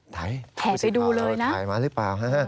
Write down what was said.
แห่ไปดูเลยนะถ่ายมาหรือเปล่า